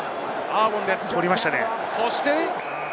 取りましたね。